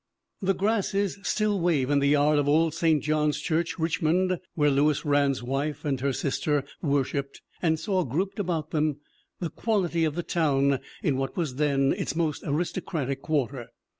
The grasses still wave in the yard of old Saint John's Church, Richmond, where Lewis Rand's wife and her sister worshiped and saw grouped about them the quality of the town in what was then its most aristo cratic quarter.